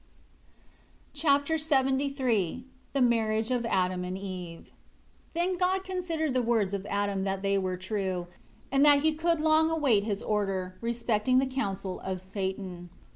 Chapter LXXIII The marriage of Adam and Eve. 1 Then God considered the words of Adam that they were true, and that he could long await His order, respecting the counsel of Satan.